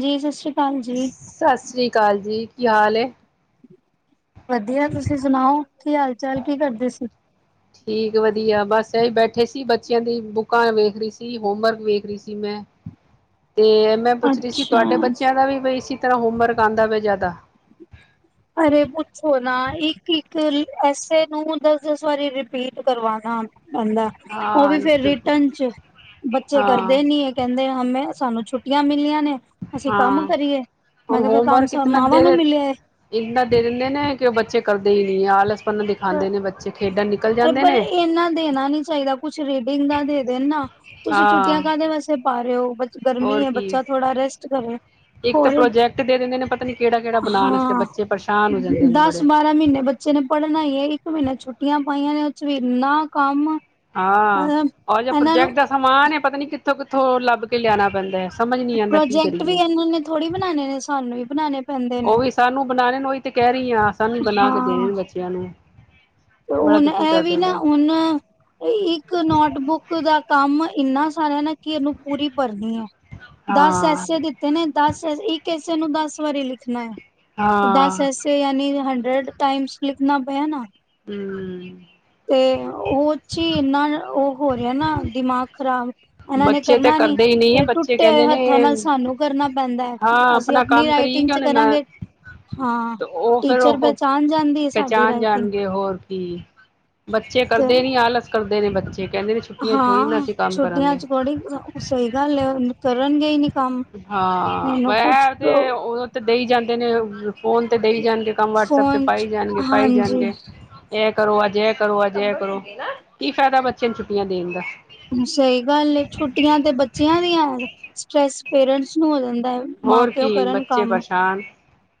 ਜੀ ਸਤਿ ਸ਼੍ਰੀ ਅਕਾਲ ਜੀ। ਸਤਿ ਸ੍ਰੀ ਅਕਾਲ ਜੀ ਕਿ ਹਾਲ ਏ ਵਧੀਆ ਤੁਸੀਂ ਸੁਣਾਓ ਕੀ ਹਾਲ ਚਾਲ ਕੀ ਕਰਦੇ ਸੀ ਠੀਕ ਵਧੀਆ ਬਸ ਇਹੀ ਬੈਠੇ ਸੀ ਬੱਚਿਆਂ ਦੀ ਬੁੱਕਾਂ ਵੇਖ ਰਹੀ ਸੀ ਹੋਮਵਰਕ ਵੇਖ ਰਹੀ ਸੀ ਮੈਂ ਤੇ ਮੈਂ ਪੁੱਛ ਰਹੀ ਸੀ ਅੱਛਾ ਤੁਹਾਡੇ ਬੱਚਿਆਂ ਦਾ ਵੀ ਬਈ ਸੀ ਤੇਰ੍ਹਾਂ ਹੋਮਵਰਕ ਆਉਂਦਾ ਪਯਾ ਜ਼ਿਆਦਾ ਅਰੇ ਪੁੱਛੋ ਨਾ ਇੱਕ-ਇੱਕ ਅ ਐਸੇ ਨੂੰ ਦਸ-ਦਸ ਵਾਰੀ ਰਿਪੀਟ ਕਰਵਾਨਾ ਕਹਿੰਦਾ ਉਹ ਹਾਂ ਵੀ ਫੇਿਰ ਹਾਂ ਰਿਟਨ ਚ ਬੱਚੇ ਕਰਦੇ ਨੀ ਕਹਿੰਦੇ ਹਮੇ ਸਾਨੂੰ ਛੁੱਟੀਆਂ ਮਿਲੀਆਂ ਨੇ ਅਸੀਂ ਕੰਮ ਹਾਂ ਕਰੀਏ ਮੈਂ ਹੁਣ ਕਿਹਾ ਫ ਕੰਮ ਹੋਮਵਰਕ ਸਾ ਇਤਨਾ ਮਾਵਾਂ ਨੂੰ ਦੇਰ ਮਿਲਿਆ ਹੈ ਇੰਨਾ ਦੇ ਦਿੰਦੇ ਨੇ ਕਿ ਉਹ ਬੱਚੇ ਕਰਦੇ ਹੀ ਨਹੀਂ ਹੈ ਆਲਸ ਦਿਖਾਉਂਦੇ ਨੇ ਬੱਚੇ ਖੇਡਣ ਨਿਕਲ ਐ ਜਾਂਦੇ ਪਰ ਨੇ ਇਨਾ ਦੇਣਾ ਨੀ ਚਾਹੀਦਾ ਕੁਛ ਰੀਡਿੰਗਾ ਦੇ ਦੇਣ ਨਾ ਤੁਸੀਂ ਹਾਂ ਛੁੱਟੀਆਂ ਕਾਹਦੇ ਵੈਸੇ ਪਾ ਰਹੇ ਹੋ। ਬੱਚਾ ਹੋਰ ਗਰਮੀ ਹੈ ਕੀ ਬੱਚਾ ਥੋੜਾ ਰੈਸਟ ਕਰੇ ਇੱਕ ਤਾਂ ਹੋਰ ਪ੍ਰੋਜੈਕਟ ਦੇ ਦਿੰਦੇ ਨੇ ਪਤਾ ਨੀ ਕਿਹੜਾ ਕਿਹੜਾ ਬਣਾਣ ਵਾਸਤੇ ਹਾਂ ਬੱਚੇ ਪਰੇਸ਼ਾਨ ਹੋ ਜਾਂਦੇ ਨੇ ਦਸ ਬੜੇ। ਬਾਰਾਂ ਮਹੀਨੇ ਬੱਚੇ ਨੇ ਪੜ੍ਹਨਾ ਹੀ ਹੈ ਇੱਕ ਮਹੀਨਾ ਛੁੱਟੀਆਂ। ਪਾਈਆਂ ਨੇ ਉਹ ਚ ਵੀ ਇਨਾ ਕੰਮ। ਹਾਂ ਮਤਲਬ ਉਹਾ ਜਿਹਾ ਇਹਨਾਂ ਪ੍ਰੋਜੈਕਟ ਨੂੰ ਦਾ ਸਮਾਨ ਹੈ ਪਤਾ ਨੀ। ਕਿੱਥੋਂ ਕਿੱਥੋਂ ਲੱਭ ਕੇ ਲਿਆਣਾ ਪੈਂਦਾ ਹੈ। ਸਮਝ ਨਹੀਂ ਆਉਂਦਾ ਕੀ ਪ੍ਰੋਜੈਕਟ ਵੀ ਕਰੀਏ ਇਹਨਾਂ ਨੇ ਥੋੜ੍ਹੀ ਬਣਾਣੇ ਨੇ ਸਾਨੂੰ ਵੀ ਬਣਾਣੇ ਪੈਂਦੇ ਨੇ। ਮੈਂ ਉਹੀ ਤੇ ਕਹੈ। ਰਹੀ ਆ ਸਾਨੂੰ ਬਣਾ ਕੇ ਹਾਂ ਦੇਣ ਬੱਚਿਆਂ ਨੂੰ। ਤੇ ਬੜਾ ਹੁਣ ਦੁਖੀ ਇਹ ਵੀ ਕਰਦੇ ਨਾ ਨੇ ਹੁਣ। ਇੱਕ ਨੋਟਬੁੱਕ ਦਾ ਕੰਮ। ਇੰਨਾ ਸਾਰਿਆਂ ਨੇ। ਕਿ ਇਹਨੂੰ ਪੂਰੀ ਭਰਨੀ ਹੈ ਦਸ ਹਾਂ ਐਸੇ ਦਿੱਤੇ ਨੇ ਦਸ ਇੱਕ ਐਸੇ ਨੂੰ ਦਸ। ਇਸ ਵਾਰੀ ਲਿਖਣਾ ਹੈ। ਦਸ ਹਾਂ ਐਸੇ ਯਾਨੀ । ਡੇਟ ਟਾਈਮਸ ਲਿਖਣਾ ਪਿਆ ਨਾ। ਹਮ ਤੇ ਉਹਚੀ। ਇੰਨਾ ਉਹ ਹੋ ਰਿਹਾ ਨਾ ਦਿਮਾਗ ਖ਼ਰਾਬ। ਇਹਨਾਂ ਨੇ ਬੱਚੇ ਤੇ ਕਰਨਾ ਨੀ ਕਰਦੇ ਹੀ ਨਹੀਂ ਹੈ ਫੇਰ ਬੱਚੇ ਟੁੱਟੇ ਹੋਏ ਕਹਿੰਦੇ ਨੇ ਹੱਥਾਂ ਨਾਲ ਸਾਨੂੰ ਕਰਨਾ। ਪੈਂਦਾ ਹਾਂ ਅਸੀਂ ਆਪਣਾ ਆਪਣੀ ਕੰਮ ਕਰੀ ਰਾਈਟਿੰਗ ਕਿ ਚ ਉਹਨੇ ਨਾ ਕਰਾਂਗੇ ਹਾਂ ਤੇ ਉਹ ਫਿਰ ਟੀਚਰ ਉਹ ਪਹਿਚਾਣ ਜਾਂਦੀ ਹੈ ਸਾਡੀ ਰਾਈਟਿੰਗ। ਦੀ ਬੱਚੇ ਤੇ ਕਰਦੇ ਨੀ ਆਲਸ ਕਰਦੇ। ਕਰਦੇ ਨੇ ਬੱਚੇ। ਕਹਿੰਦੇ ਨੇ ਛੁੱਟੀਆਂ ਥੋੜ੍ਹੀ ਨਾ ਹਾਂ ਅਸੀਂ ਕੰਮ ਛੁੱਟੀਆ ਕਰਾਂਗੇ ਚ ਥੋੜੀ ਸਹੀ ਗੱਲ ਹੈ ਕਰਨਗੇ ਹੀ ਨੀ ਕੰਮ। ਹਾਂ ਹੁਣ ਮੈਂ ਕੁਛ ਆਵਦੇ ਉਦੋਂ ਤੇ ਦਈ ਜਾਂਦੇ ਨੇ। ਤੇ ਫੋਨ ਤੇ ਦੇਈ ਜਾਣਗੇ ਕੰਮ ਵਟਸਐਪ ਤੇ ਫੋਨ ਚ ਪਾਈ ਜਾਣਗੇ ਪਾਈ ਹਾਂਜੀ ਜਾਣਗੇ ਤੇ। ਕਰੋ ਅੱਜ ਐ ਕਰੋ ਅੱਜ ਐ ਕਰੋ ਕੀ ਫ਼ਾਇਦਾ ਬੱਚੇ ਨੂੰ ਛੁੱਟੀਆਂ ਦੇਣ ਦਾ। ਸਹੀ ਗੱਲ ਹੈ ਛੁੱਟੀਆਂ ਤੇ ਬੱਚਿਆਂ ਦੀਆਂ ਸਟਰ੍ਰੈਸ ਪੇਰੈਂਟਸ ਨੂੰ ਹੋ ਜਾਂਦਾ। ਹੈ ਮਾਂ ਹੋਰ ਪਿਓ ਕੀ ਕਰਨ ਬੱਚੇ ਕੰਮ ਪਰੇਸ਼ਾਨ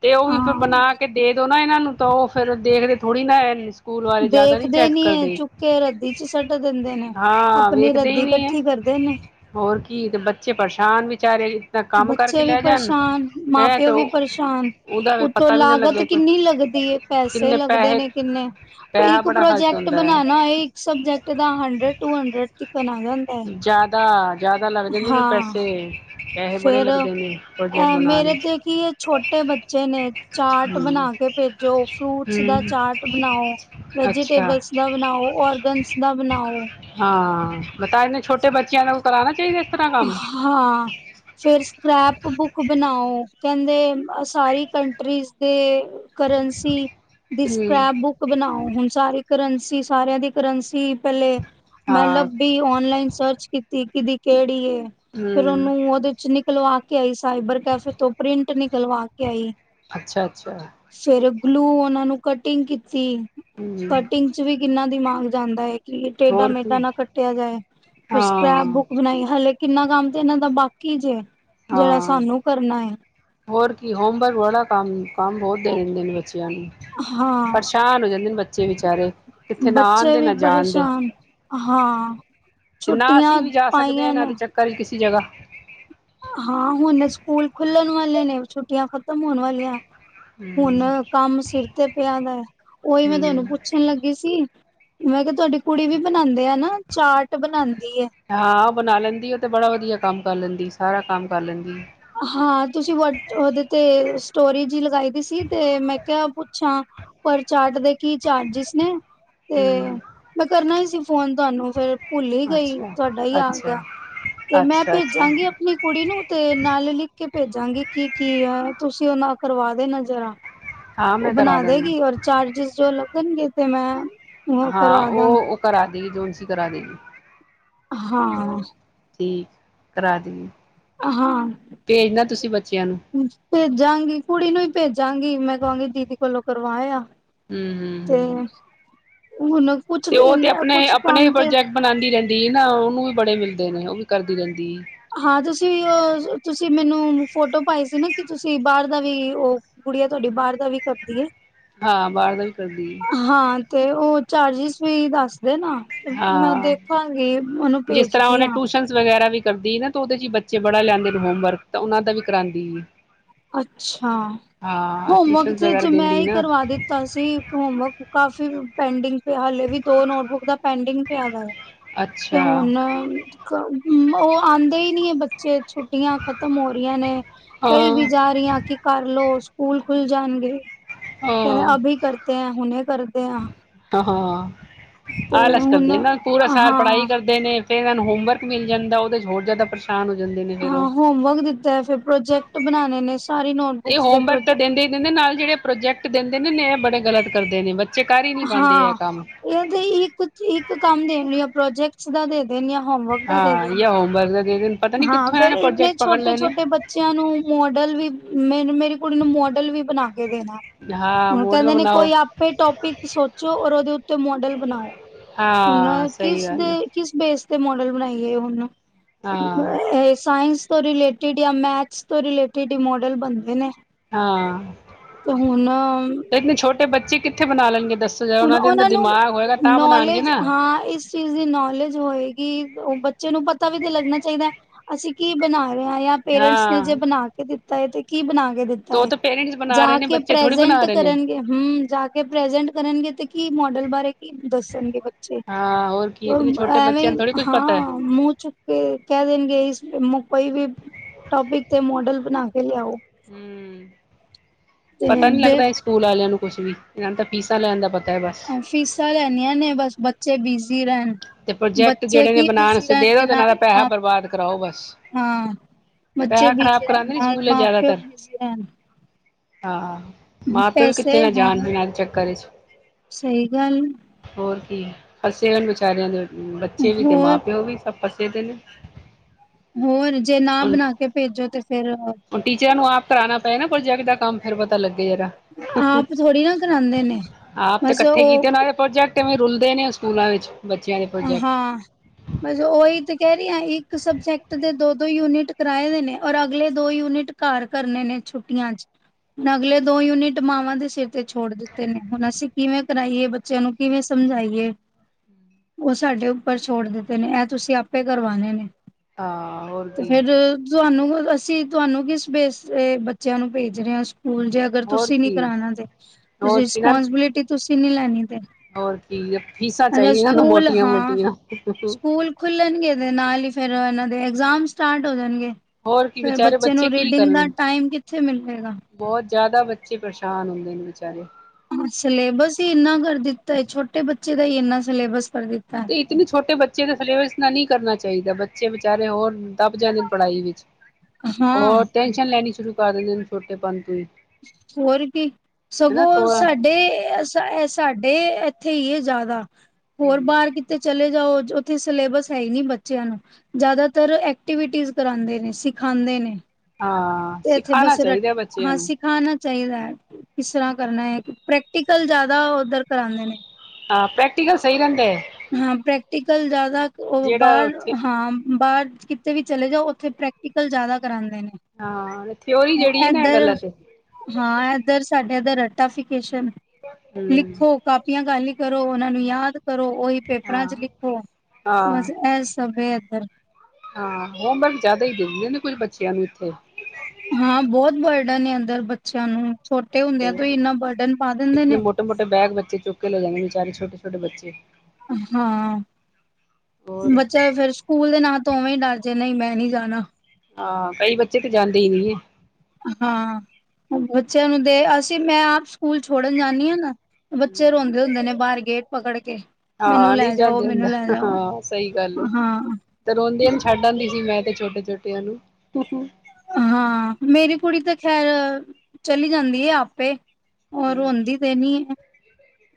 ਤੇ ਉਹ ਵੀ ਫਿਰ ਹਾਂ ਬਣਾ ਕੇ ਦੇ ਦੋ ਨਾ ਇਹਨਾਂ ਨੂੰ। ਤਾਂ ਉਹ ਫਿਰ ਦੇਖਦੇ ਥੋੜੀ ਨਾ ਇੰਝ। ਸਕੂਲ ਵਾਲੇ ਜ਼ਿਆਦਾ ਨੀ ਦੇਖਦੇ ਚੈੱਕ ਏ ਕਰਦੇ ਚੁੱਕ ਕੇ ਰੱਦੀ ਚ ਸੱਟ ਦਿੰਦੇ ਨੇ। ਹਾਂ ਆਪਣੀ ਵੇਖਦੇ ਰੱਦੀ ਹੀ ਨਹੀਂ ਇਕੱਠੀ ਕਰਦੇ ਨੇ ਹੈ ਹੋਰ ਕੀ ਤੇ ਬੱਚੇ ਪਰੇਸ਼ਾਨ ਵਿਚਾਰੇ ਇਤਨਾ ਕੰਮ ਕਰਕੇ। ਬੱਚੇ ਵੀ ਲੈ ਜਾਣ ਪਰੇਸ਼ਾਨ ਮਾਂ ਹੈਂ ਪਿਓ ਤੇ ਵੀ ਪਰੇਸ਼ਾਨ ਉਹਦਾ ਫਿਰ ਉਤੋਂ ਪਤਾ ਵੀ ਨਾ ਲਾਗਤ ਲੱਗੇ ਕੋਈ ਕਿੰਨੀ ਲੱਗਦੀ ਪੈਸੇ ਕਿੰਨੇ ਲੱਗਦੇ ਨੇ ਪੈਸੇ ਕਿੰਨੇ। ਪੈਹਾ ਇੱਕ ਬੜਾ ਖਰਚ ਪ੍ਰੋਜੈਕਟ ਹੁੰਦਾ ਬਣਾਣਾ ਹੈ ਇੱਕ ਸਬਜੈਕਟ ਦਾ ਹੰਡਰਡ ਟੂ ਹੰਡਰਡ ਤੱਕ ਆ ਜਾਂਦਾ ਹੈ ਜ਼ਿਆਦਾ ਜ਼ਿਆਦਾ ਲੱਗ ਜਾਂਦੇ ਨੇ ਹਾਂ ਪੈਸੇ ਪੈਸੇ ਬੜੇ ਫਿਰ। ਲੱਗਦੇ ਨੇ ਅ ਪ੍ਰੋਜੈਕਟ ਬਣਾਉਣ ਮੇਰੇ ਵਿੱਚ ਤੇ ਕੀ ਇਹ ਛੋਟੇ ਬੱਚੇ ਨੇ ਚਾਟ ਬਣਾ ਹਮ ਕੇ ਭੇਜੋ ਫਰੂਟਸ ਦਾ ਹਮ ਚਾਰਟ ਬਣਾਓ ਅੱਛਾ ਵੈਜੀਟੇਬਲਸ ਦਾ ਬਣਾਓ ਓਰਗਨਸ ਦਾ ਬਣਾਓ ਹਾਂ ਬਤਾਏ ਨੇ ਛੋਟੇ [unintelligible] ਬੱਚਿਆਂ ਨੇ ਕੋ ਕਰਾਨਾ ਹਾਂ ਫੇਿਰ ਸਕ੍ਰੈਪ ਬੁੱਕ ਬਣਾਓ ਕਹਿੰਦੇ ਸਾਰੀ ਕੰਟਰੀਜ਼ ਦੇ ਕਰੰਸੀ ਦੀ ਹਮ ਸਕ੍ਰੈਪ ਬੁੱਕ ਬਣਾਓ ਹੁਣ ਸਾਰੇ ਕਰੰਸੀ ਸਾਰਿਆਂ ਦੀ ਕਰੰਸੀ ਪਹਿਲੇ ਹਾਂ ਮੈਂਲੱਭੀ ਔਨਲਾਈਨ ਸਰਚ ਕੀਤੀ ਕਿਦੀ ਕਿਹੜੀਏ ਫੇਰ ਹਮ ਉਹਨੂੰ ਉਹਦੇ ਚ ਨਿਕਲਵਾ ਕੇ ਕੇ ਆਈ ਸਾਈਬਰ ਕੈਫੇ ਤੋਂ ਪ੍ਰਿੰਟ ਨਿਕਲਵਾ ਕੇ ਆਈ। ਅੱਛਾ -ਅੱਛਾ ਫੇਰ ਗਲੂ ਉਹਨਾਂ ਨੂੰ ਕਟਿੰਗ ਕੀਤੀ ਹਮ ਕਟਿੰਗ ਚ' ਵੀ ਕਿੰਨਾ ਦਿਮਾਗ ਜਾਂਦਾ ਹੈ। ਕਿ ਟੇਡਾ ਹੋਰ ਮੇਦਾ ਕੀ ਨਾ ਕੱਟਿਆ ਜਾਏ ਫਿਰ ਹਾਂ ਸਕ੍ਰੈਪ ਬੁੱਕ ਹਲੇ ਕਿੰਨਾ ਕੰਮ ਤੇ ਇਹਨਾਂ ਦਾ ਬਾਕੀ ਜੇ ਜਿਹੜਾ ਹਾਂ ਸਾਨੂੰ ਕਰਨਾ ਹੈ ਹੋਰ ਕੀ ਹੋਮਵਰਕ ਬੜਾ ਕੰਮ ਕੰਮ ਬਹੁਤ ਦੇ ਦੇ ਨੇ ਬੱਚਿਆਂ ਨੂੰ ਹਾਂ ਪਰੇਸ਼ਾਨ ਹੋ ਜਾਂਦੇ ਨੇ ਬੱਚੇ ਬੱਚੇ ਵਿਚਾਰੇ ਕਿੱਥੇ ਨਾ ਆਉਣ ਬੱਚੇ ਦੇ ਵੀ ਨਾ ਜਾਣ ਦੇ ਪਰੇਸ਼ਾਨ ਹਾਂ ਤੇ ਨਾ ਛੁੱਟੀਆਂ ਅਸੀਂ ਵੀ ਜਾ ਸਕਦੇ ਹਾਂ ਪਾਈਆਂ ਇਹਨਾਂ ਨੇ ਦੇ ਚੱਕਰ ਚ ਕਿਸੇ ਜਗ੍ਹਾ ਹਾਂ ਹੁਣ ਸਕੂਲ ਖੁੱਲਣ ਵਾਲੇ ਨੇ ਛੁੱਟੀਆਂ ਖ਼ਤਮ ਹੋਣ ਵਾਲੀਆਂ ਹੁਣ ਹਮ ਕੰਮ ਸਿਰ ਤੇ ਪਿਆ ਦਾ ਓਹੀ ਮੈਂ ਤੁਹਾਨੂੰ ਹਮ ਪੁੱਛਣ ਲੱਗੀ ਸੀ। ਮੈਂ ਕਿਹਾ ਤੁਹਾਡੀ ਕੁੜੀ ਵੀ ਬਣਾਉਂਦੇ ਆ ਨਾ ਚਾਟ ਬਣਾਉਂਦੇ ਹਾਂ ਉਹ ਬਣਾ ਲੈਂਦੀ ਉਹ ਤੇ ਬੜਾ ਵਧੀਆ ਕੰਮ ਕਰ ਲੈਂਦੀ ਸਾਰਾ ਕੰਮ ਕਰ ਲੈਂਦੀ ਹਾਂ ਤੁਸੀਂ ਵ ਉਹਦੇ ਤੇ ਸਟੋਰੇਜ ਲਗਾਈ ਦੀ ਸੀ ਤੇ ਮੈਂ ਕਿਹਾ ਪੁੱਛਾਂ ਪਰ ਚਾਰਟ ਦੇ ਕੀ ਚਾਰਜਿਸ ਨੇ ਤੇ ਹਮ ਮੈਂ ਕਰਨਾ ਹੀ ਫੋਨ ਤੁਹਾਨੂੰ ਫੇਿਰ ਭੁੱਲ ਹੀ ਗਈ ਅੱਛਾ ਤੁਹਾਡਾ ਹੀ ਆ ਅੱਛਾ ਗਿਆ ਤੇ ਮੈਂ ਅੱਛਾ ਅੱਛਾ ਭੇਜਾਂਗੀ ਆਪਣੀ ਕੁੜੀ ਨੂੰ ਤੇ ਲਿਖ ਕੇ ਭੇਜਾਂਗੇ ਕੀ ਕੀ ਹੈ ਤੁਸੀਂ ਉਹਨਾਂ ਕਰਵਾ ਦੇ ਨਜ਼ਰ ਹਾਂ ਉਹ ਮੈਂ ਕਰਾ ਬਣਾ ਦਾਂਗੀ ਦੇਗੀ ਔਰ ਚਾਰਜਿਸ ਜੋ- ਗਣ ਗਤੇ ਮੈਂ ਉਹ ਹਾਂ ਕਰਵਾ ਉਹ ਦਾਂਗੀ ਉਹ ਕਰਾ ਦੀ ਜੋ ਕਰਾ ਦੇਗੀ। ਹਾਂ ਠੀਕ ਕਰਾ ਦੇਏ ਹਾਂ, ਬੱਚਿਆਂ ਨੂੰ ਭੇਜਾਂਗੀ ਕੁੜੀ ਨੂੰ ਈ ਭੇਜਾਂਗੀ ਮੈਂ। ਕਾਂਗੀ ਦੀਦੀ ਕੋਲੋਂ ਕਰਵਾ ਆ। ਹਮ ਹਮ ਤੇ ਹਮ ਹੁਣ ਕੁਛ ਤੇ ਉਹ ਤੇ ਇਨਾ ਆਪਣੇ ਕੁਛ ਆਪਣੇ ਹੀ ਕੰਮ ਤੇ ਪ੍ਰੋਜੈਕਟ ਬਣਾਦੀ ਰਹਿੰਦੀ। ਤੇ ਨਾ ਉਨੂੰ ਵੀ ਬੜੇ ਮਿਲਦੇ ਨੇ ਉਹ ਵੀ ਕਰਦੀ ਰਹਿੰਦੀ ਏ। ਹਾਂ ਤੁਸੀਂ ਉਹ ਤੁਸੀਂ ਮੈਨੂੰ ਫੋਟੋ ਪਾਈ ਸੀ ਨਾ। ਕਿ ਤੁਸੀਂ ਬਾਹਰ ਦਾ ਵੀ ਉਹ ਗੁੜੀਆ ਤੁਹਾਡੀ ਬਾਹਰ ਦਾ ਵੀ ਕਰਦੀ ਐ। ਹਾਂ ਬਾਰ ਦਾ ਵੀ ਕਰਦੀ ਏ। ਹਾਂ ਤੇ ਉਹ ਚਾਰਜਿਸ ਵੀ ਦੱਸ ਨਾ ਮੈਂ ਹਾਂ ਦੇਖਾਂਗੀ ਓਨੂੰ ਜਿਸ ਤਰ੍ਹਾਂ ਭੇਜਦੀ ਉਹਨੇ ਆ। ਟਿਊਸ਼ਨਸ ਵਗੈਰਾ ਵੀ ਕਰਦੀ ਏ ਨਾ ਤੇ ਉਦੇ 'ਚ ਬੱਚੇ ਬੜਾ ਲਿਆਂਦੇ ਨੇ ਹੋਮਵਰਕ ਤਾਂ ਉਨਾਂ ਦਾ ਵੀ ਕਰਾਂਦੀ ਏ। ਅੱਛਾ, ਹਾਂ ਹੋਮਵਰਕ ਟਿਊਸ਼ਨ ਵਗੈਰਾ ਤੇ ਮੈਂ ਦਿੰਦੀ ਈ ਨਾ ਕਰਵਾ ਦਿੱਤਾ ਸੀ। ਹੋਮਵਰਕ ਕਾਫੀ- ਪੈਂਡਿੰਗ ਪਿਆ ਹਾਲੇ ਵੀ ਦੋ ਨੋਟਬੁੱਕ ਦਾ ਪੈਂਡਿੰਗ ਪਿਆ ਦਾ ਏ। ਤੇ ਅੱਛਾ ਹੁਣ ਕੰਮ ਹੂੰ ਉਹ ਆਂਦੇ ਈ ਨਈ ਏ ਬੱਚੇ। ਛੁੱਟੀਆਂ ਖ਼ਤਮ ਹੋ ਰੀਆਂ ਨੇ ਕਈ ਹਾਂ ਵੀ ਕਹਿ ਰਹੀ ਆ ਕਿ ਕਰ ਲੋ। ਸਕੂਲ ਖੁੱਲ ਜਾਣਗੇ ਕਹਿੰਦੇ ਹਾਂ ਅਭੀ ਕਰਤੇ ਹੈ ਹੁਣੇ ਕਰਦੇ ਆ। ਹਾਂ ਆਲਸ ਕਰਦੇ ਨਾ ਪੂਰਾ ਸਾਲ ਪੜ੍ਹਾਈ ਹਾਂ ਕਰਦੇ ਨੇ ਫੇਰ ਇਹ ਹੋਮਵਰਕ ਮਿਲ ਜਾਂਦਾ ਉਹ 'ਚ ਦੇ ਚ ਹੋਰ ਜ਼ਿਆਦਾ ਹੋ ਜਾਂਦੇ ਨੇ ਫੇਰ ਉਹ ਹਾਂ ਹੋਮਵਰਕ ਦਿੱਤਾ ਏ। ਫਿਰ ਪ੍ਰੋਜੈਕਟ ਬਣਾਣੇ ਨੇ। ਸਾਰੀ ਤੇ ਨੋਟਬੁੱਕਸ ਦੇ ਹੋਮਵਰਕ ਤਾਂ ਪ੍ਰੋਜੈਕਟ ਦੇਂਦੇ ਈ ਦੇਂਦੇ ਨਾਲ ਜੇੜੇ ਪ੍ਰੋਜੈਕਟ ਦਿੰਦੇ ਕਹਿੰਦੇ ਨੇ ਏ ਬੜੇ ਗਲਤ ਕਰਦੇ ਨੇ ਬੱਚੇ ਕਰ ਹੀ ਨਹੀਂ ਪਾਂਦੇ ਹਾਂ ਇਹ ਕੰਮ ਇਹ ਤੇ ਇੱਕ ਇੱਕ ਕੰਮ ਦੇਣ ਜਾਂ ਆ ਪ੍ਰੋਜੈਕਟ ਸਦਾ ਦੇ ਦੇਣ ਹਾਂ ਦੇਣ ਯਾ ਹੋੋਮ ਵਰਕ ਹਾਂ ਫੇਰ ਇਨੇ ਛੋਟੇ ਛੋਟੇ ਬੱਚਿਆਂ ਨੂੰ ਮੋਡਲ ਵੀ ਮੇ ਮੇਰੀ ਕੁੜੀ ਨੂੰ ਮੋਡਲ ਵੀ ਬਣਾ ਕੇ ਦੇਣਾ ਹਾਂ ਹੁਣ ਮੋਡਲ ਕਹਿੰਦੇ ਨੇ ਬਣਾਓ ਕੋਈ ਆਪੇ ਟੋਪਿਕ ਸੋਚੋ ਔਰ ਉਹ ਓਦੇ ਉੱਤੇ ਮੋਡਲ ਬਣਾਓ ਹੁਣ ਹਾਂ ਸਹੀ ਕਿਸ ਗੱਲ ਆ ਦੇ ਕਿਸ ਕਿਸ ਤੇ ਮੋਡਲ ਬਣਾਈਏ ਹਣ ਹਾਂ ਇਹ ਸਾਇੰਸ ਤੋਂ ਰਿਲੇਟਿਡ ਜਾਂ ਮੈਥਸ ਤੋਂ ਰਿਲੇਟਿਡ ਹੀ ਮੋਡਲ ਬਣਦੇ ਨੇ ਹਾਂ ਤੇ ਹੁਣ ਇਤਨ ਛੋਟੇ ਬੱਚੇ ਕਿੱਥੇ ਬਣਾ ਲੈਂਣਗੇ ਹੁਣ ਉਹਨਾਂ ਨੂੰ ਬਣਾਉਣਗੇ ਨੌਲੇਜ ਨਾ ਹਾਂ ਇਸ ਚੀਜ਼ ਦੀ ਨੌਲੇਜ ਹੋਏਗੀ ਉਹ ਬੱਚੇ ਨੂੰ ਪਤਾ ਵੀ ਤੇ ਲੱਗਣਾ ਚਾਹੀਦਾ ਹੈ ਅਸੀਂ ਕੀ ਬਣਾ ਰਹੇ ਜਾਂ ਪੇਰੈਂਟਸ ਨੇ ਜੇ ਹਾਂ ਬਣਾ ਕੇ ਦਿੱਤਾ ਤਾਂ ਇਹ ਤੇ ਕੀ ਬਣਾਗੇ ਦਿੱਤਾ ਤੇ ਉਹ ਹੈ ਤਾਂ ਪੇਰੈਂਟਸ ਬਣਾ ਜਾ ਰਹੇ ਨੇ ਕੇ ਬੱਚੇ ਥੋੜ੍ਹੀ ਬਣਾ ਪ੍ਰਜੈਂਟ ਰਹੇ ਨੇ ਕਰਨਗੇ ਹਮ ਜਾ ਕੇ ਪ੍ਰਜੈਂਟ ਕਰਨਗੇ ਤੇ ਕਿ ਮਾਡਲ ਬਾਰੇ ਕੀ ਦੱਸਣਗੇ ਬੱਚੇ ਹਾਂ ਹੋਰ ਕੀ ਇਤਨੇ ਛੋਟੇ ਐਵੇਂ ਬੱਚਿਆਂ ਨੂੰ ਥੋੜ੍ਹੀ ਕੁੱਛ ਪਤਾ ਹਾਂ ਹੈ ਮੂੰਹ ਚੁੱਕ ਕੇ ਕਹਿ ਦੇਣਗੇ ਇਸ ਮੁ ਕੋਈ ਵੀ ਟੋਪਿਕ ਤੇ ਮੋਡਲ ਬਣਾ ਕੇ ਲਿਆਓ ਹਮ ਤੇ ਪਤਾ ਨੀ ਦੇ ਲੱਗਦਾ ਇਹ ਸਕੂਲ ਵਾਲਿਆਂ ਨੂੰ ਕੁੱਛ ਵੀ ਇਹਨਾਂ ਤਾਂ ਫੀਸਾ ਲੈਣ ਦਾ ਪਤਾ ਹੈ ਬਸ ਫੀਸਾਂ ਲੈਣੀਆਂ ਨੇ ਬਸ ਬੱਚੇ ਬਿਜ਼ੀ ਰਹਿਣ ਤੇ ਪ੍ਰੋਜੈਕਟ ਬੱਚੇ ਜਿਹੜੇ ਨੇ ਕੀ ਬਣਾਉਣ ਬਿਜ਼ੀ ਦੇ ਦੋ ਰਹਿਣਗੇ ਤੇ ਨਾਲ ਦਾ ਪੈਹਾ ਮਾਂ ਬਰਬਾਦ ਕਰਾਓ ਬਸ ਹਾਂ ਬੱਚੇ ਪੈਹਾ ਖਰਾਬ ਬਿਜ਼ੀ ਰਹਿਣ ਕਰਾਉਂਦੇ ਨੀ ਨਾਲ ਸਕੂਲੇ ਮਾਂ ਪਿਓ ਜ਼ਿਆਦਾਤਰ ਬਿਜ਼ੀ ਰਹਿਣ ਹਾਂ ਮਾਂ ਪਿਓ ਵੀ ਕਿੱਥੇ ਪੈਸੇ ਨਾ ਹਾਂ ਜਾਣ ਹੋਣ ਦੇ ਚੱਕਰ ਵਿੱਚ ਸਹੀ ਗੱਲ ਅਸੇ ਉਹ ਸਾਰਿਆ ਨੇ ਬੱਚੇ ਵੀ ਅਤੇ ਮਾਂ ਹੋਰ ਪਿਓ ਵੀ ਸਭ ਪਸੇ ਤਨ ਹੋਰ ਜੇ ਨਾ ਬਣਾ ਕੇ ਭੇਜੋ ਤੇ ਫੇਰ ਹੁਣ ਟੀਚਰਾਂ ਨੂੰ ਆਪ ਕਰਾਉਣਾ ਪਏ ਨਾ ਪ੍ਰੋਜੈਕਟ ਦਾ ਕੰਮ ਫਿਰ ਪਤਾ ਲੱਗਾ ਆਪ ਥੋੜੀ ਨਾ ਕਰਾਂਦੇ ਨੇ ਬਸ ਉਹ ਕਿਵੇਂ ਰੁਲਦੇ ਨੇ ਉਹ ਸਕੂਲਾਂ ਵਿੱਚ ਬੱਚਿਆਂ ਦੇ ਪ੍ਰੋਜੈਕਟ ਹਾਂ ਬਸ ਉਹੀ ਤੇ ਕਹਿ ਰਹੀ ਹੈ ਇਹੇ। ਇੱਕ ਸਬਜੈਕਟ ਦੇ ਦੋ‌। ਦੋ ਯੂਨਿਟ ਕਰਾਏ ਦੇ ਨੇ ਔਰ ਅਗਲੇ ਦੋ ਯੂਨਿਟ ਘਰ ਕਰਨੇ ਨੇ ਛੁੱਟੀਆਂ ਚ ਅਗਲੇ ਦੋ ਯੂਨਿਟ ਮਾਵਾਂ ਦੇ ਸਿਰ ਤੇ ਛੋੜ ਦਿੱਤੇ ਨੇ ਹੁਣ ਅਸੀਂ ਕਿਵੇਂ ਕਰਾਈਏ ਬੱਚਿਆਂ ਨੂੰ ਕਿਵੇਂ ਸਮਝਾਈਏ। ਉਹ, ਸਾਡੇ ਉੱਪਰ ਛੋੜ ਦਿੱਤੇ ਨੇ, ਐ ਤੁਸੀ ਆਪੇ ਕਰਵਾਨੇ ਨੇ। ਹਾਂ ਹੋਰ ਤੇ ਕੀ ਫੇਰ, ਤੁਹਾਨੂੰ। ਅਸੀਂ ਤੁਹਾਨੂੰ ਕਿਸ ਬੇਸ ਤੇ, ਬੱਚਿਆਂ ਨੂੰ ਭੇਜ ਰਹੇ ਹਾਂ। ਸਕੂਲ ਜੇ ਅਗਰ ਹੋਰ ਤੁਸੀਂ ਨੀ ਕੀ ਕਰਾਉਣਾ ਤੇ, ਤੁਸੀਂ ਹੋਰ ਕੀ ਨਾ ਰਿਸਪੋਂਸੀਬਿਲਿਟੀ ਤੁਸੀ ਕਿੰਨੀ ਲੈ਼ਨੀ? ਹੋਰ ਕੀ ਏ, ਫੀਸਾਂ ਚਾਹੀਦੀਆਂ। ਨਾ ਸਕੂਲ ਮੋਟੀਆਂ ਹਾਂ, ਮੋਟੀਆਂ ਸਕੂਲ ਖੁੱਲਣਗੇ ਦੇ ਨਾਲ ਹੀ ਫੇਰ, ਇਹਨਾਂ ਦੇ ਐਗਜਾਮ ਸਟਾਰਟ ਹੋ ਜਾਣਗੇ। ਹੋਰ ਕੀ ਫੇਰ, ਵਿਚਾਰੇ ਬੱਚੇ ਨੂੰ ਕੀ ਰੀਡਿੰਗ ਦਾ ਕਰਨ ਟਾਈਮ ਕਿੱਥੇ ਮਿਲੇਗਾ। ਬਹੁਤ ਜ਼ਿਆਦਾ ਬੱਚੇ ਪਰੇਸ਼ਾਨ ਹੁੰਦੇ ਨੇ ਵਿਚਾਰੇ ਹੂੰ, ਸਿਲੇਬਸ ਹੀ ਇੰਨਾ ਕਰ ਦਿੱਤਾ ਏ, ਛੋਟੇ ਬੱਚੇ ਦਾ ਹੀ ਇੰਨਾ ਸਿਲੇਬਸ। ਕਰ ਦਿੱਤਾ ਤੇ ਇਤਨੇ ਛੋਟੇ ਬੱਚੇ ਦਾ ਸਿਲੇਬਸ ਇਤਨਾ ਨਹੀਂ ਕਰਨਾ ਚਾਹੀਦਾ। ਬੱਚੇ ਵਿਚਾਰੇ ਹੋਰ ਦੱਬ ਜਾਂਦੇ ਨੇ, ਪੜ੍ਹਾਈ ਵਿੱਚ। ਹੈ। ਹਾਂ ਹੋਰ ਟੈਂਨਸ਼ਨ ਲੈਨੀ। ਸ਼ੁਰੂ ਕਰ ਦਿੰਦੇ ਨੇ, ਛੋਟੇ ਪੰ ਤੋ, ਈ। ਹੋਰ ਕੀ, ਸਗੋਂ ਥੋੜਾ ਸਾਡੇ ਐ ਸਾਡੇ ਅਤੇ ਇੱਥੇ ਹੀ, ਇਹ ਜ਼ਿਆਦਾ ਹੋਰ, ਹੂੰ ਬਾਹਰ ਕਿਤੇ ਚਲੇ ਜਾਉ, ਉਥੇ ਸਿਲੇਬਸ ਹੈ ਹੀ ਨੀ ਬੱਚਿਆਂ ਨੂੰ, ਜਿਆਦਾਤਰ ਐਕਟੀਵਿਟੀਜ ਕਰਾਂਦੇ ਨੇ, ਸਿਖਾਂਦੇ ਨੇ। ਹਾਂ ਤੇ ਇੱਥੇ ਸਿਖਾਣਾ ਬਸ ਰ, ਚਾਹੀਦਾ ਬੱਚਿਆਂ ਹਾਂ ਨੂੰ ਸਿਖਾਣਾ ਚਾਹੀਦਾ ਹੈ। ਇਸ ਤਰ੍ਹਾਂ ਕਰਨਾ ਹੈ, ਪ੍ਰੈਕਟੀਕਲ ਜਿਆਦਾ ਉੱਧਰ ਕਰਾਂਦੇ ਨੇ। ਆਹ! ਪ੍ਰੈਕਟਿਕਲ ਸਹੀ ਰਹਿੰਦੇ ਏ। ਹਾਂ, ਪ੍ਰੈਕਟੀਕਲ ਜ਼ਿਆਦਾ ਉਹ, ਜਿਹੜਾ ਬਾਹਰ ਉੱਥੇ ਹਾਂ, ਬਾਅਦ ਚ। ਕਿਤੇ ਵੀ ਚਲੇ ਜਾਓ, ਉੱਥੇ ਪ੍ਰੈਕਟੀਕਲ ਜਿਆਦਾ ਕਰਾਂਦ ਨੇ ਹਾਂ ਥਿਓਰੀ ਜਿਹੜੀ ਐ ਨਾ ਐਧਰ ਗਲਤ ਐ ਹਾਂ, ਐਧਰ ਸਾਡੇ ਏਧਰ ਟਾਫਿਕੇਸ਼ਨ ਹੂੰ ਲਿਖੋ, ਕਾਪੀਆਂ ਕਾਲੀ ਕਰੋ, ਉਹਨਾਂ ਨੂੰ ਯਾਦ ਕਰੋ। ਓ ਹਾਂ ਪੇਪਰਾਂ ਚ ਲਿਖੋ, ਹਾਂ ਬਸ ਐ ਸਭੇ ਏ। ਫੇਰ ਹਾਂ, ਹੋਮਵਰਕ ਜਿਆਦਾ ਹੀ ਦਿੰਦੀਆ ਨੇ, ਕੁੱਝ ਬੱਚਿਆਂ ਨੂੰ ਇੱਥੇ ਹਾਂ, ਬਹੁਤ ਬਰਡਨ ਨੇ ਇਧਰ ਬੱਚਿਆਂ ਨੂੰ ਛੋਟੇ ਤੇ ਹੁੰਦਿਆਂ ਤੋਂ ਹੀ, ਇੰਨਾ ਬਰਡਨ ਪਾ ਦਿੰਦੇ ਨੇ। ਚੁੱਕਕੇ ਲੈ ਜਾਂਦੇ, ਵਿਚਾਰੇ ਛੋਟ-ਛੋਟੇ ਬੱਚੇ। ਹਾਂ, ਹੋਰ ਬੱਚਾ ਫੇਰ ਸਕੂਲ ਦੇ ਨਾਂ ਤੋਂ ਉਵੇਂ ਹੀ ਡਰ ਜੇ, ਨਹੀਂ ਮੈਂ ਨਹੀਂ ਜਾਣਾ। ਹਾਂ, ਕਈ ਬੱਚੇ ਤੇ ਜਾਂਦੇ ਹੀ ਨਹੀਂ ਹੈ। ਹਾਂ, ਬੱਚਿਆਂ ਨੂੰ ਦੇ ਅਸੀਂ। ਮੈਂ ਆਪ ਸਕੂਲ ਛੋੜਨ ਜਾਂਦੀ ਹਾਂ ਨਾ। ਬੱਚੇ ਰੋਂਦੇ ਹੁੰਦੇ ਨੇ, ਬਾਹਰ ਗੇਟ ਪਕੜ ਕੇ ਮੈਨੂੰ ਹਾਂ ਲੈ ਨਹੀਂ ਜਾਓ, ਜਾਂਦੇ ਮੈਨੂੰ ਲੈ ਅੰਦਰ ਜਾਓ, ਹਾਂ ਸਹੀ ਗੱਲ ਐ ਹਾਂ। ਤੇ ਰੋਂਦੀਆਂ ਨੂੰ ਛੱਡ ਆਂਦੀ ਸੀ ਮੈਂ ਛੋਟੇ ਛੋਟਿਆਂ ਨੂੰ। ਹਾਂ, ਮੇਰੀ ਕੁੜੀ ਤੇ ਖੈਰ ਚਲੀ ਜਾਂਦੀ ਹੈ ਆਪੇ ਉਹ ਰੋਂਦੀ ਤੇ ਨੀ ਹੈ।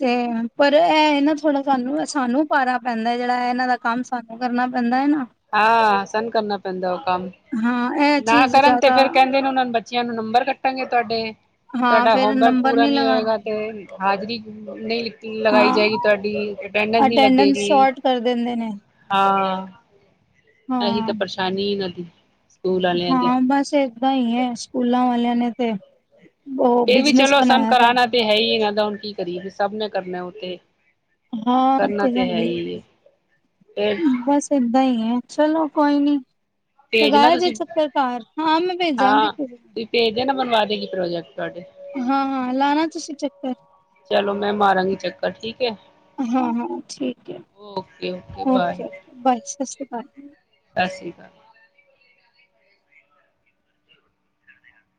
ਤੇ ਪਰ ਇਹ ਨਾ, ਥੋੜਾ ਸਾਨੂੰ ਸਾਨੂੰ ਪਾਰਾ ਪੈਂਦਾ ਜਿਹੜਾ ਇਹਨਾਂ ਦਾ ਕੰਮ ਸਾਨੂੰ ਕਰਨਾ ਪੈਂਦਾ ਹੈ ਨਾ। ਹਾਂ, ਸਾਨੂੰ ਕਰਨਾ ਪੈਂਦਾ। ਉਹ ਕੰਮ ਹਾਂ ਇਹ ਨਾ ਚੀਜ਼ ਕਰਨ ਤੇ ਜ਼ਿਆਦਾ ਫੇਰ ਕਹਿੰਦੇ ਨੇ ਉਹਨਾਂ ਨੂੰ। ਬੱਚਿਆਂ ਨੂੰ ਨੰਬਰ ਕੱਟਣਗੇ ਤੁਹਾਡੇ। ਹਾਂ ਤੁਹਾਡਾ ਫੇਰ ਆਫ਼ਰ ਨੰਬਰ ਪੂਰਾ ਨੀ ਨਹੀਂ ਹੋਏਗਾ ਲਗਾਉਂਦੇ ਤੇ ਹਾਜ਼ਰੀ [inaudible] ਲਗਾਈ ਜਾਏਗੀ, ਹਾਂ ਤੁਹਾਡੀ ਅਟੈਂਡੈਂਸ ਨਹੀਂ ਲੱਗੇਗੀ, ਸ਼ੋਰਟ ਕਰ ਦਿੰਦੇ ਨੇ ਹਾਂ। ਆਹੀ ਹਾਂ ਤਾਂ ਪਰੇਸ਼ਾਨੀ ਐ ਏਨਾ ਦੀ। ਸਕੂਲ ਵਾਲਿਆਂ ਦੀ ਹਾਂ, ਬਸ ਏਦਾਂ ਹੀ ਹੈ ਸਕੂਲਾਂ ਵਾਲਿਆਂ ਨੇ। ਤੇ। ਉਹ ਐਵੀ ਵੀ ਬਿਜਨਸ ਚਲੋ, ਸਾਨੂ ਬਣਾਇਆ ਦਾ ਕਰਾਨਾ ਤਾਂ ਹੈ ਹੀ ਏਨਾ ਦਾ। ਹੁਣ ਕੀ ਕਰੀਏ ਸਭ ਨੇ ਕਰਨਾ ਉਹ ਤੇ। ਹਾਂ ਤੇ ਹੈ ਹੀ ਤੇ ਹੈ। ਬਸ ਏਦਾਂ ਹੀ ਹੈ। ਚਲੋ ਕੋਈ ਨੀ। ਭੇਜ ਨਾ ਲਗਾਇਆ ਜੇ ਤੁਸੀਂ ਚੱਕਰ ਘਰ ਹਾਂ ਮੈਂ ਭੇਜਾਂਗੀ। ਹਾਂ ਤੁਸੀਂ ਭੇਜ ਦੇ ਨਾ ਬਣਵਾ ਪ੍ਰੋਜੈਕਟ ਤੁਹਾਡੇ ਹਾਂ ਹਾਂ ਲਾਣਾ ਤੁਸੀਂ ਚੱਕਰ। ਚਲੋ ਮੈਂ [unintelligible] ਹਾਂ ਹਾਂਠੀਕ ਹੈ। Okay okay, bye. ਸਤਿ ਸ਼੍ਰੀ ਅਕਾਲ। [inaudible] ਸਤਿ ਸ੍ਰੀ ਅਕਾਲ।